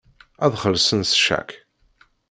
Ad xellṣen s ccak.